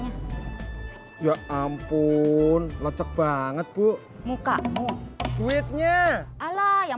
ini bang uangnya ya ampun locek banget bu muka mu duitnya ala yang